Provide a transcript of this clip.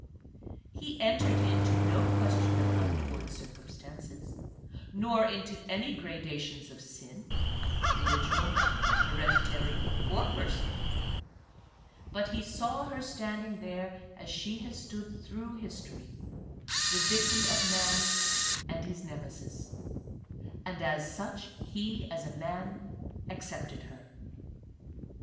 He entered into no ques tion of untoward circumstances, nor into any gradations of sin — original, hereditary or personal — but he saw her standing there as she has stood through history, the victim of man, and his Nemesis ; and as such he, as a man, accepted her.